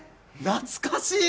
懐かしい！